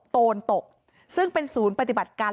โตนตกซึ่งเป็นศูนย์ปฏิบัติการ